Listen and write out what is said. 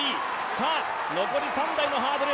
さあ、残り３台のハードル。